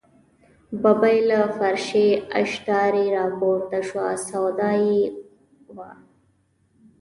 ببۍ له فرشي اشدارې راپورته شوه، سودا یې وه.